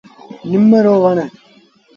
نم رو وڻ ۔